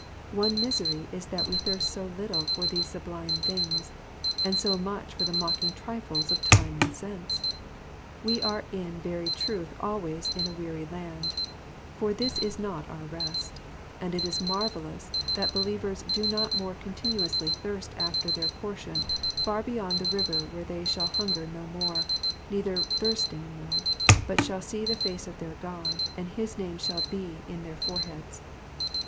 Our misery is that we thirst so little for these sublime things, and so much for the mocking trifles of time and sense. We are in very truth always in a weary land, for this is not our rest ; and it is marvellous that believers do not more continuously thirst after their portion far beyond the river where they shall hunger no more, neither thirst any more ; but shall see the face of their God, and his name shall be in their foreheads.